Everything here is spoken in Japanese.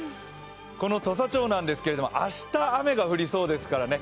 土佐町ですけれども、明日雨が降りそうですからね